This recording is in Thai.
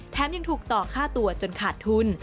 ยังถูกต่อค่าตัวจนขาดทุน